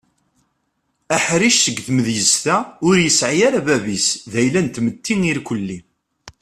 Aḥric seg tmedyaz-a ur yesɛi ara bab-is d ayla n tmetti irkeli.